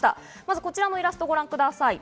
こちらのイラストをご覧ください。